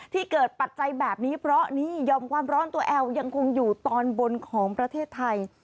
เกิดปัจจัยแบบนี้เพราะนี่ยอมความร้อนตัวแอลยังคงอยู่ตอนบนของประเทศไทย